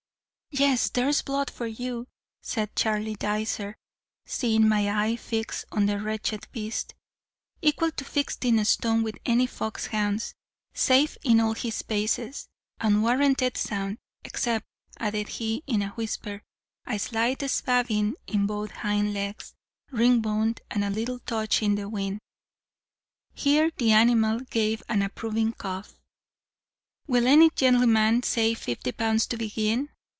"'Yes, there's blood for you,' said Charley Dycer, seeing my eye fixed on the wretched beast; 'equal to fifteen stone with any fox hounds; safe in all his paces, and warranted sound; except,' added he, in a whisper, 'a slight spavin in both hind legs, ring bone, and a little touch in the wind.' Here the animal gave an approving cough. 'Will any gentleman say fifty pounds to begin?'